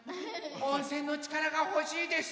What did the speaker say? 温泉のちからがほしいです！